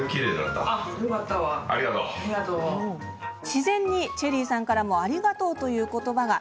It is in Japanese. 自然にチェリーさんからもありがとうという言葉が。